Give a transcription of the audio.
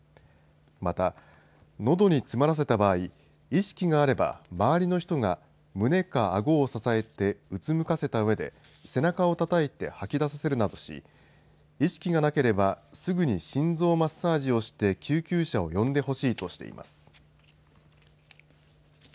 また、のどに詰まらせた場合意識があれば周りの人が胸かあごを支えてうつむかせた上で背中をたたいて吐き出させるなどし意識がなければすぐに心臓マッサージをして救急車を呼んでほしいとしています。